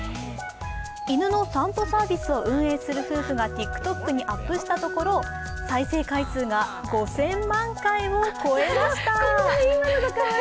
犬の散歩サービスを運営する夫婦がＴｉｋＴｏｋに動画をアップロードしたところ、再生回数が５０００万回を超えました。